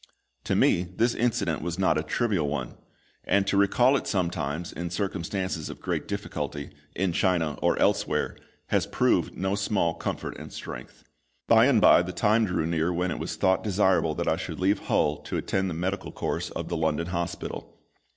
To me this incident was not a trivial one; and to recall it sometimes, in circumstances of great difficulty, in China or elsewhere, has proved no small comfort and strength. By and by the time drew near when it was thought desirable that I should leave Hull to attend the medical course of the London Hospital.